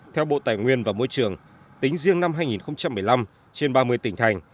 theo bộ tài nguyên và môi trường tính riêng năm hai nghìn một mươi năm trên ba mươi tỉnh thành